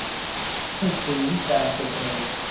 นี่คือวิจารณ์โจทย์เลย